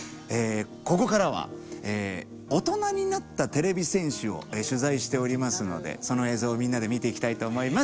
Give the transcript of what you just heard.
ここからはオトナになったてれび戦士を取材しておりますのでその映像をみんなで見ていきたいと思います。